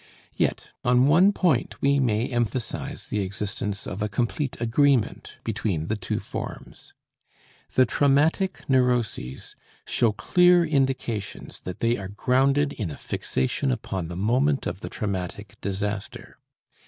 Yet on one point we may emphasize the existence of a complete agreement between the two forms. The traumatic neuroses show clear indications that they are grounded in a fixation upon the moment of the traumatic disaster.